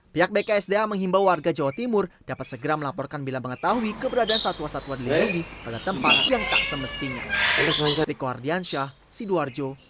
pihak bksda menghimbau warga jawa timur dapat segera melaporkan bila mengetahui keberadaan satwa satwa lili pada tempat yang tak semestinya